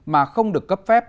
mà không được cấp phép